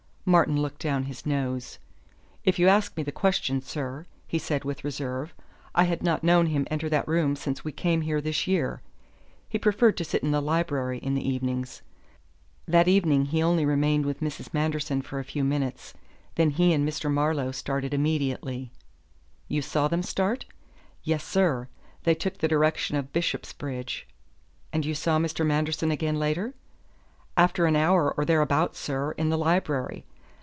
Martin looked down his nose. "If you ask me the question, sir," he said with reserve, "I had not known him enter that room since we came here this year. He preferred to sit in the library in the evenings. That evening he only remained with Mrs. Manderson for a few minutes. Then he and Mr. Marlowe started immediately." "You saw them start?" "Yes, sir. They took the direction of Bishopsbridge." "And you saw Mr. Manderson again later?" "After an hour or thereabouts, sir, in the library.